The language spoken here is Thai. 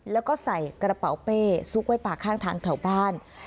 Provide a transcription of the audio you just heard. แล้วก็ใส่กระเป๋าเป้ซุกไว้ปากข้างทางแถวบ้าน